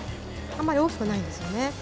あんまり大きくないんですよね。